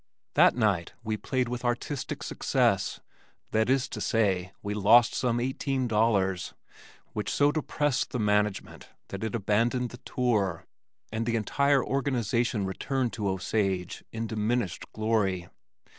That night we played with "artistic success" that is to say, we lost some eighteen dollars, which so depressed the management that it abandoned the tour, and the entire organization returned to Osage in diminished glory.